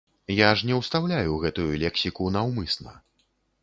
Я ж не ўстаўляю гэтую лексіку наўмысна.